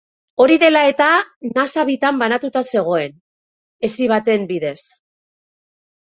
Hori dela eta, nasa bitan banatuta zegoen, hesi baten bidez.